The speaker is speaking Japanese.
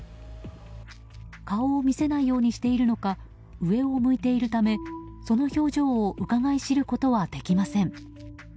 顔を見せないようにしているのか上を向いているためその表情をうかがい知ることはできません。